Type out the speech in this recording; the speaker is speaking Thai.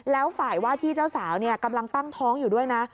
แล้วฝ่ายว่าที่เจ้าสาวกำลังตั้งท้องอยู่ด้วยนะ